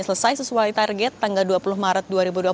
selesai sesuai target tanggal dua puluh maret dua ribu dua puluh